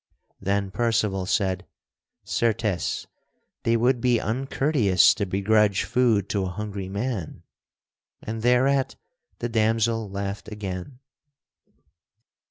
Then Percival said, "Certes, they would be uncourteous to begrudge food to a hungry man"; and thereat the damsel laughed again.